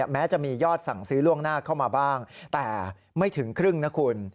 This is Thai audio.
แม้จะมียอดสั่งซื้อล่วงหน้าเข้ามาบ้างแต่ไม่ถึงครึ่งนะคุณ